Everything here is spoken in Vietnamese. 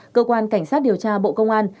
cơ quan cảnh sát điều tra bộ công an